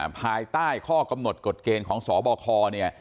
ภายใต้ข้อกำหนดกฎเกณฑ์ของสบคเนี่ย